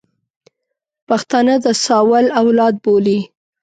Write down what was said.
پښتانه د ساول اولاد بولي.